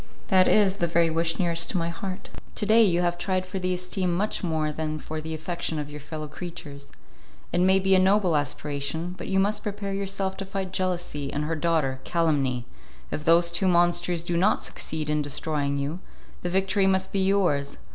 "That is the very wish nearest to my heart." "To day you have tried for the esteem much more than for the affection of your fellow creatures. It may be a noble aspiration, but you must prepare yourself to fight jealousy and her daughter, calumny; if those two monsters do not succeed in destroying you, the victory must be yours.